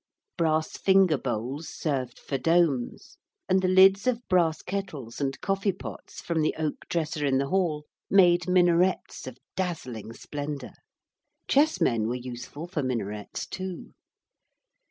Brass finger bowls served for domes, and the lids of brass kettles and coffee pots from the oak dresser in the hall made minarets of dazzling splendour. Chessmen were useful for minarets, too.